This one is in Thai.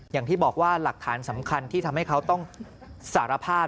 อย่างที่บอกว่าหลักฐานสำคัญที่ทำให้เขาต้องสารภาพ